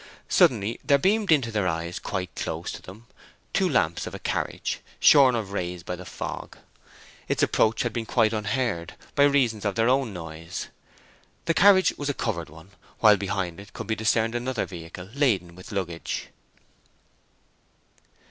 Suddenly there beamed into their eyes, quite close to them, the two lamps of a carriage, shorn of rays by the fog. Its approach had been quite unheard, by reason of their own noise. The carriage was a covered one, while behind it could be discerned another vehicle laden with luggage.